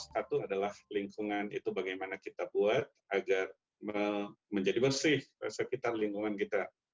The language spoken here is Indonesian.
satu adalah lingkungan itu bagaimana kita buat agar menjadi bersih sekitar lingkungan kita